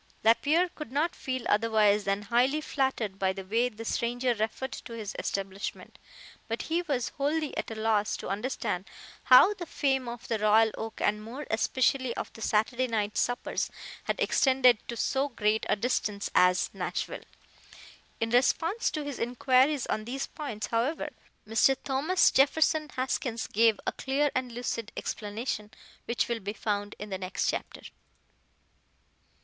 Lapierre could not feel otherwise than highly flattered by the way the stranger referred to his establishment, but he was wholly at a loss to understand how the fame of the Royal Oak, and more especially of the Saturday night suppers, had extended to so great a distance as Nashville. In response to his inquiries on these points, however, Mr. Thomas Jefferson Haskins gave a clear and lucid explanation, which will be found in the next chapter.